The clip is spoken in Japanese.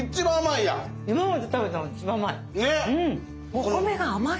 お米が甘い？